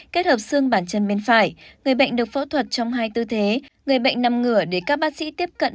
kết hợp xương bản chân bên phải người bệnh được phẫu thuật trong hai tư thế người bệnh nằm ngửa để các bác sĩ tiếp cận